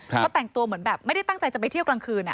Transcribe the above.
เขาแต่งตัวเหมือนแบบไม่ได้ตั้งใจจะไปเที่ยวกลางคืน